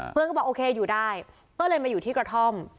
เขาบอกโอเคอยู่ได้ก็เลยมาอยู่ที่กระท่อม